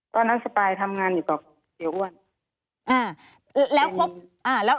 ตอนนั้นสปายทำงานอยู่กับเสียอ้วน